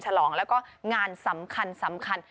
หรือชำคัญ